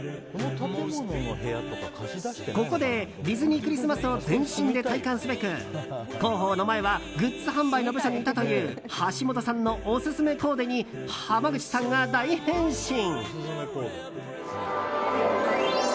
ここでディズニー・クリスマスを全身で体感すべく広報の前はグッズ販売の部署にいたという橋本さんのオススメコーデに濱口さんが大変身。